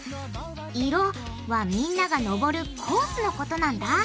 色はみんなが登るコースのことなんだ。